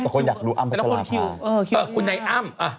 คนอยากรู้อ้ำปัชฌาภา